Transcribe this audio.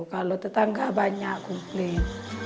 kalau tetangga banyak komplain